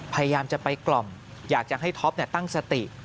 พยายามจะไปกล่อมอยากจะให้ท็อปตั้งสติ